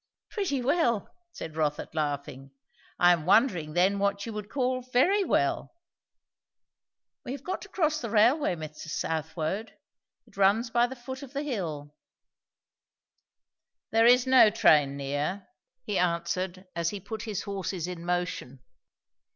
"Pretty well!" said Rotha laughing. "I am wondering then what you would call very well? We have got to cross the railway, Mr. Southwode. It runs by the foot of the hill." "There is no train near," he answered as he put his horses in motion.